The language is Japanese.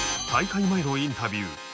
大会前のインタビュー。